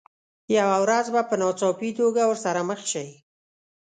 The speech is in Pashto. یوه ورځ به په ناڅاپي توګه ورسره مخ شئ.